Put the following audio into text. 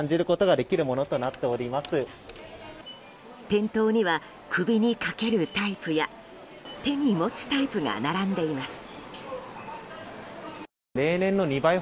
店頭には首にかけるタイプや手に持つタイプが並んでいます。